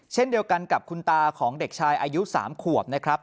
เช่นเดียวกันกับคุณตาของเด็กชายอายุ๓ขวบนะครับ